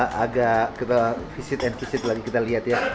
ya agak kita visit and visit lagi kita lihat ya